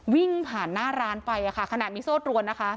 วิ่งผ่านหน้าร้านไปขณะมีโซ่ตรวนนะคะ